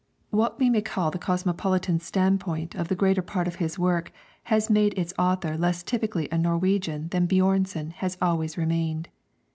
What we may call the cosmopolitan standpoint of the greater part of his work has made its author less typically a Norwegian than Björnson has always remained.